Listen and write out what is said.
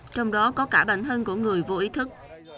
trong đó có cả bản thân của người vô ý thức